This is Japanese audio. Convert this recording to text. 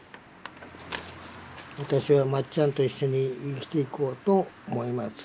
「私はまっちゃんと一緒に生きていこうと思います。